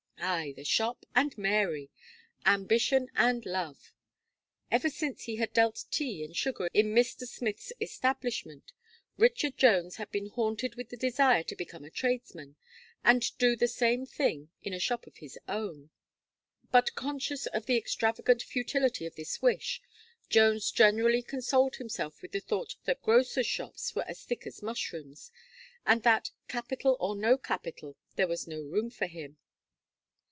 Ay; the shop and Mary! ambition and love! Ever since he had dealt tea and sugar in Mr. Smith's establishment, Richard Jones had been haunted with the desire to become a tradesman, and do the same thing in a shop of his own. But, conscious of the extravagant futility of this wish, Jones generally consoled himself with the thought that grocer's shops were as thick as mushrooms, and that, capital or no capital, there was no room for him.